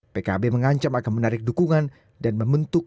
pkb mengancam akan menarik dukungan dan membentuk